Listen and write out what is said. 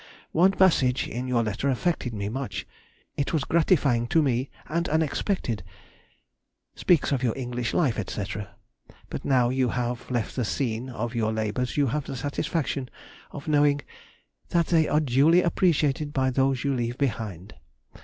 One passage in your letter affected me much, it was gratifying to me and unexpected: "... speaks of your English life, &c.... But now that you have left the scene of your labours you have the satisfaction of knowing that they are duly appreciated by those you leave behind."